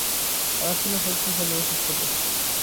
ওরা ছিল শক্তিশালী ও সূক্ষ্মদর্শী।